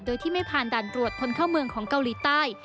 โดยที่ไม่ผ่านด่านตรวจคนเข้าเมืองของเกาหลีใต้